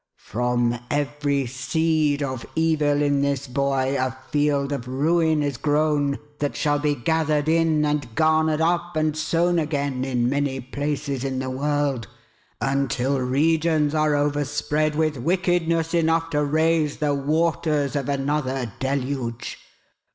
From every seed of evil in this boy, a field of ruin is grown that shall be gathered in, and garnered up, and sown again in many places in the world, until regions are overspread with wickedness enough to raise the waters of another Deluge.